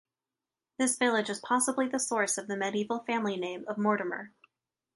This village is possibly the source of the medieval family name of Mortimer.